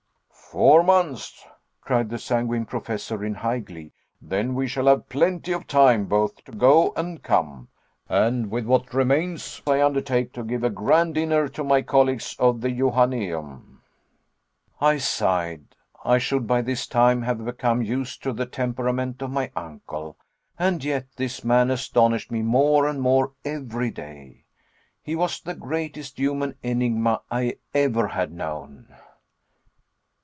"Four months," cried the sanguine Professor in high glee. "Then we shall have plenty of time both to go and to come, and with what remains I undertake to give a grand dinner to my colleagues of the Johanneum." I sighed. I should by this time have become used to the temperament of my uncle, and yet this man astonished me more and more every day. He was the greatest human enigma I ever had known.